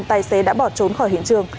lực lượng y tế đã bỏ trốn khỏi hiện trường